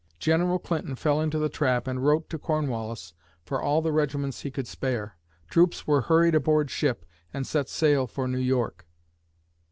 General Clinton fell into the trap and wrote to Cornwallis for all the regiments he could spare. Troops were hurried aboard ship and set sail for New York.